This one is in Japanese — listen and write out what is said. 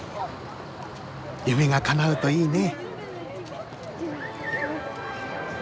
夢がかなうといいね。